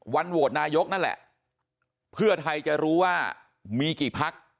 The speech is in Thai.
โหวตนายกนั่นแหละเพื่อไทยจะรู้ว่ามีกี่พัก